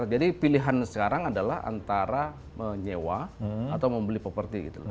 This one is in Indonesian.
jadi pilihan sekarang adalah antara menyewa atau membeli property gitu